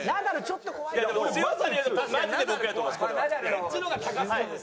こっちの方が高そうです。